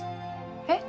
えっ？